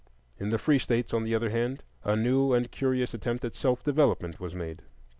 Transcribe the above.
In the Free States, on the other hand, a new and curious attempt at self development was made.